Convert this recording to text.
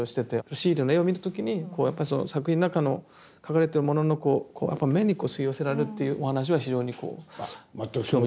シーレの絵を見る時にやっぱり作品の中の描かれてるもののやっぱり目に吸い寄せられるというお話は非常にこう興味深い。